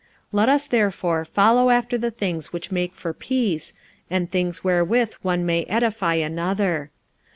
45:014:019 Let us therefore follow after the things which make for peace, and things wherewith one may edify another.